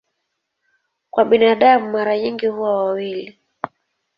Kwa binadamu mara nyingi huwa wawili.